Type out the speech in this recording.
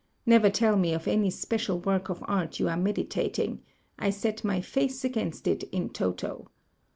Never tell me of any special work of art you are meditating — I set my face against it in toto.